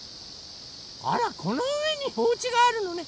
あらこのうえにおうちがあるのね。